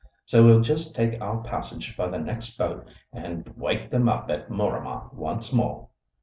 So we'll just take our passage by the next boat and wake them up at Mooramah once more."